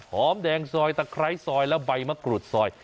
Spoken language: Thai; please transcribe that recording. หอมแดงซอยตะไคร้ซอยและใบมะกรูดซอย